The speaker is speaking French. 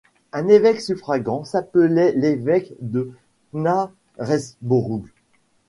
Un évêque suffragant s'appelait l'évêque de Knaresborough.